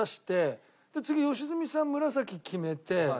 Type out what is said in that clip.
で次良純さん紫決めて。